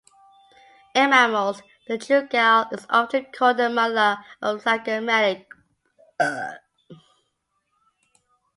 In mammals, the jugal is often called the malar or Zygomatic.